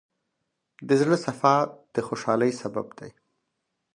د زړۀ صفا د خوشحالۍ سبب دی.